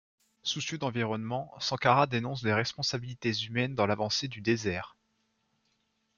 Soucieux d'environnement, Sankara dénonce des responsabilités humaines dans l'avancée du désert.